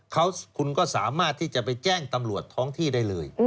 เขาคุณก็สามารถที่จะไปแจ้งตำรวจท้องที่ได้เลย